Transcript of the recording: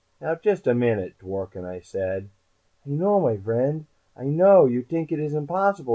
"Now, just a minute, Dworken," I said. "I know, my vriend. I know. You t'ink it is impossible.